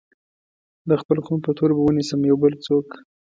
د خپل خون په تور به ونيسم يو بل څوک